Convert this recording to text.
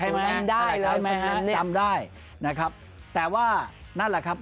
ใช่ไหมครับจำได้แต่ว่านั่นแหละครับ